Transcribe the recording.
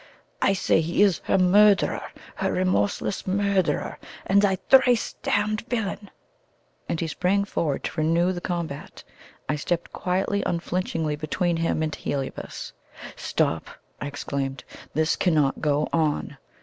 I say he is her murderer her remorseless murderer, and a thrice damned villain!" And he sprang forward to renew the combat. I stepped quietly, unflinchingly between him and Heliobas. "Stop!" I exclaimed; "this cannot go on.